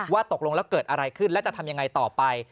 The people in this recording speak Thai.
ว่าตกลงแล้วเกิดอะไรขึ้นและจะทำอย่างไรต่อไป